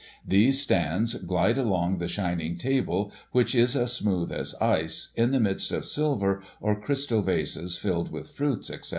These stands glide along the shining table, which is as smooth as ice, in the midst of silver, (St crystal vases filled with fruit, etc.